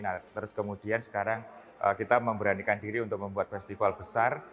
nah terus kemudian sekarang kita memberanikan diri untuk membuat festival besar